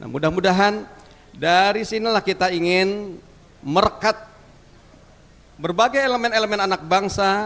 mudah mudahan dari sinilah kita ingin merekat berbagai elemen elemen anak bangsa